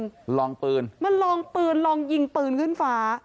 มันลองปืนมันลองปืนลองยิงปืนขึ้นฟ้า